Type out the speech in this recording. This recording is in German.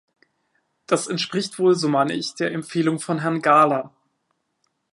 Das entspricht wohl, so meine ich, der Empfehlung von Herrn Gahler.